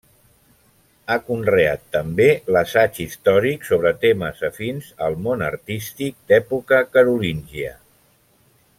Ha conreat també l'assaig històric sobre temes afins al món artístic d'època carolíngia.